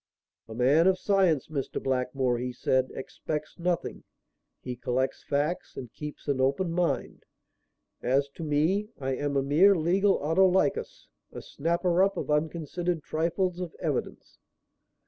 "A man of science, Mr. Blackmore," he said, "expects nothing. He collects facts and keeps an open mind. As to me, I am a mere legal Autolycus, a snapper up of unconsidered trifles of evidence.